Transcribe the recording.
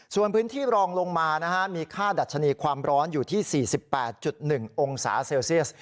ส่วนพื้นที่รองลงมามีค่าดัชนีความร้อนอยู่ที่๔๘๑องศาเซลเซียส